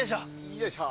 よいしょ。